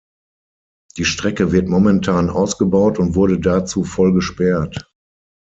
Die Strecke wird momentan ausgebaut und wurde dazu voll gesperrt.